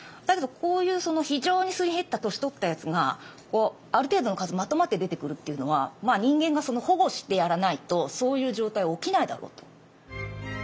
だけどこういう非常にすり減った年取ったやつがある程度の数まとまって出てくるっていうのは人間が保護してやらないとそういう状態は起きないだろうと。